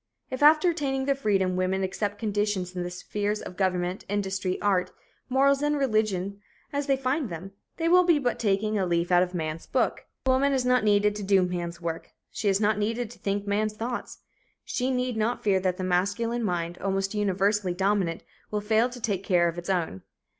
If after attaining their freedom, women accept conditions in the spheres of government, industry, art, morals and religion as they find them, they will be but taking a leaf out of man's book. The woman is not needed to do man's work. She is not needed to think man's thoughts. She need not fear that the masculine mind, almost universally dominant, will fail to take care of its own.